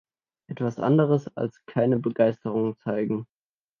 Etwas anderes als "keine Begeisterung zeigen" !